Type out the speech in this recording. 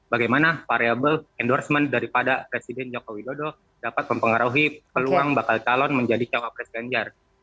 bagaimana variable endorsement daripada presiden jokowi dodo dapat mempengaruhi peluang bakal calon menjadi cwp presiden jarl